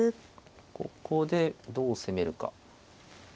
ここでどう攻めるか。